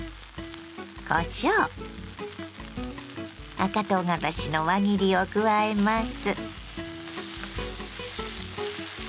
赤とうがらしの輪切りを加えます。